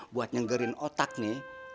buat nyengerin otak nih